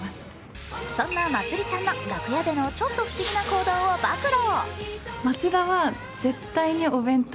そんなまつりちゃんの楽屋でのちょっと不思議な行動を暴露。